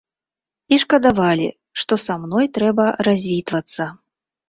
І шкадавалі, што са мной трэба развітвацца.